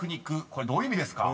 これどういう意味ですか？］